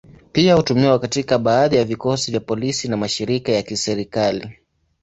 Pia hutumiwa katika baadhi ya vikosi vya polisi na mashirika ya kiserikali.